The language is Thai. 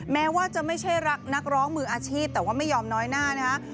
แม้ว่าจะไม่ใช่รักนักร้องมืออาชีพแต่ว่าไม่ยอมน้อยหน้านะคะ